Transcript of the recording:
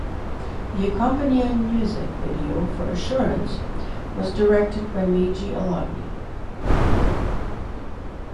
The accompanying music video for "Assurance" was directed by Meji Alabi.